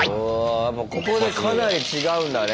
ここでかなり違うんだね。